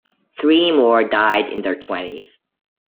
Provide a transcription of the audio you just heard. Three more died in their twenties.